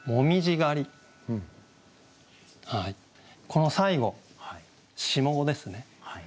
この最後下五ですね。